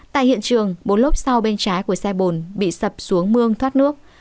tại hiện trường bốn lớp sau bên trái của xe bồn bị sập xuống mương thoát nước